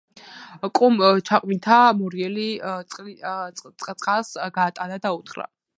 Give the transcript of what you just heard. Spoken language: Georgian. კუმ ჩაყვინთა, მორიელი წყალს გაატანა და უთხრა: